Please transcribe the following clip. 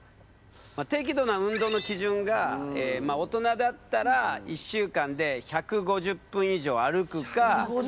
適度な運動の基準が大人だったら１週間で１５０分以上歩くか。